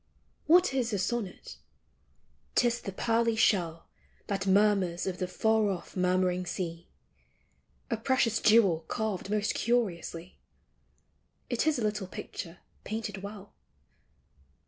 What is a sonnet ? 'T is the pearly shell That murmurs of the far off murmuring sea ; A precious jewel carved most curiously ; It is a little picture painted well.